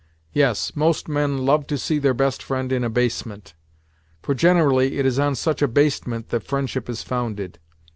Yes, most men love to see their best friend in abasement; for generally it is on such abasement that friendship is founded.